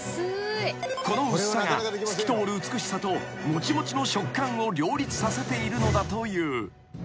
［この薄さが透き通る美しさともちもちの食感を両立させているのだという］